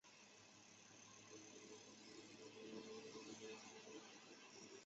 同年的县市长选举中也有多个具亲民党籍的候选人当选。